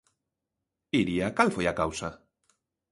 Iria, cal foi a causa?